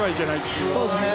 そうですね。